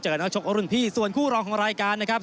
เจอหน้าชกอรุณพี่ส่วนคู่รองของรายการนะครับ